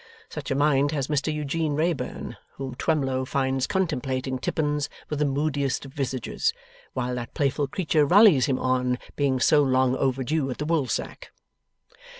Such a mind has Mr Eugene Wrayburn, whom Twemlow finds contemplating Tippins with the moodiest of visages, while that playful creature rallies him on being so long overdue at the woolsack.